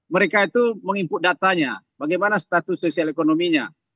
mereka itu meng input datanya bagaimana status sosial ekonominya